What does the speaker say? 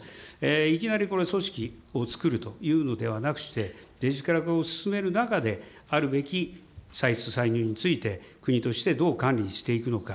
いきなりこれ、組織を作るというのではなくして、デジタル化を進める中で、あるべき歳出歳入について、国としてどう管理していくのか。